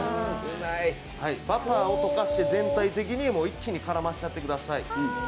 バターを溶かして全体的に一気に絡ませてください。